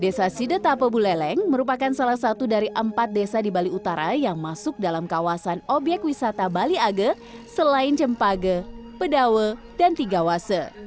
desa sidetape buleleng merupakan salah satu dari empat desa di bali utara yang masuk dalam kawasan obyek wisata bali age selain jempage pedawe dan tiga wase